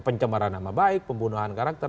pencemaran nama baik pembunuhan karakter